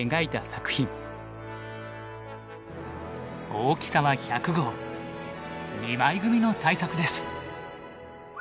大きさは１００号２枚組の大作です。